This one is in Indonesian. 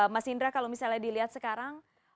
mas indra kalau misalnya dilihat sekarang